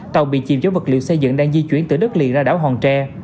tàu bị chìm chứa vật liệu xây dựng đang di chuyển từ đất liền ra đảo hòn tre